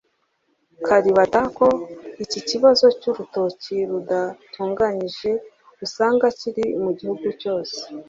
Kalibata ko iki kibazo cy’urutoki rudatunganyije usanga kiri mu gihugu cyose